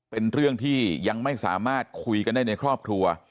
เป็นเรื่องที่ยังไม่สามารถคุยกันได้ในครอบครัว